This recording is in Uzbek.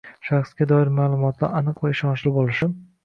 Shaxsga doir ma’lumotlar aniq va ishonchli bo‘lishi